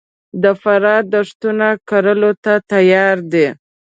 د فراه دښتونه کرلو ته تیار دي